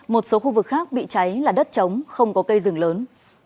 một số khu vực khác bị cháy là đất trống không có cây rừng lớn